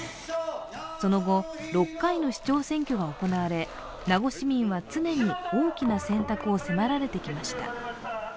その後、６回の市長選挙が行われ名護市民は常に大きな選択を迫られてきました。